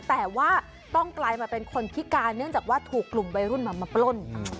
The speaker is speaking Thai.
แต่ว่าต้องกลายมาเป็นคนพิการเนื่องจากว่าถูกกลุ่มวัยรุ่นมาปล้น